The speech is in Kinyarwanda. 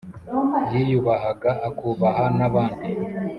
yiyubahaga akubaha nabandi.